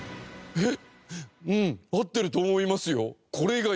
えっ？